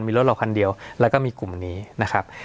มีรถเราคันเดียวแล้วก็มีกลุ่มนี้นะครับ